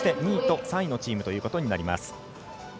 ２位と３位のチームということになります。